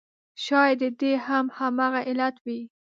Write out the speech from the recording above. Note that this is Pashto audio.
شاید د دې هم همغه علت وي.